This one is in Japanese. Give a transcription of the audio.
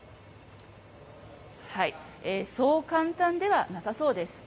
そう簡単ではなさそうです。